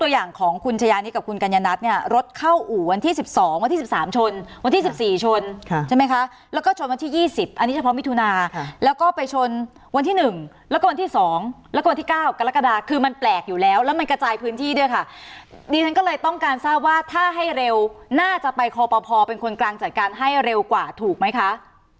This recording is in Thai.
วันที่๑แล้วก็วันที่๒แล้วก็วันที่๙กรกฎาคือมันแปลกอยู่แล้วแล้วมันกระจายพื้นที่ด้วยค่ะดีทั้งก็เลยต้องการทราบว่าถ้าให้เร็วน่าจะไปพอพอเป็นคนกลางจัดการให้เร็วกว่าถูกไหมคะ